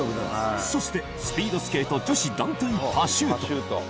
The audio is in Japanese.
そしてスピードスケート女子団体パシュート。